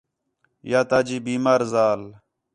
یا تاجی بیمار ذال